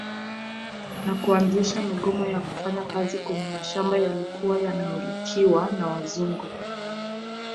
Na kuanzisha migomo ya kufanya kazi kwenye mashamba yaliyokuwa yanamilkiwa na wazungu